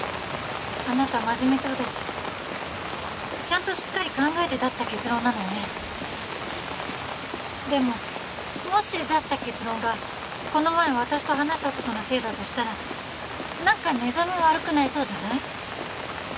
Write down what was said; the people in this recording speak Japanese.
あなた真面目そうだしちゃんとしっかり考えて出した結論なのよねでももし出した結論がこの前私と話したことのせいだとしたら何か寝覚め悪くなりそうじゃない？